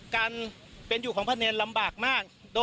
การเป็นอยู่ของพระเนรลำบากมาก